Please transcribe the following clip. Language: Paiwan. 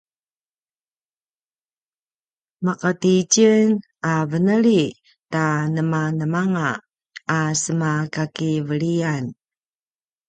maqati tjen a veneli ta nemanemanga a sema kakiveliyan